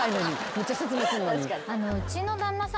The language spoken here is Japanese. めっちゃ説明すんのに。